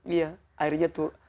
iya airnya tuh